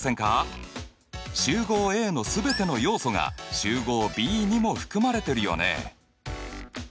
集合Ａの全ての要素が集合Ｂにも含まれてるよね。